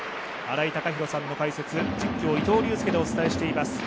新井貴浩さんの解説、実況伊藤隆佑でお伝えしています。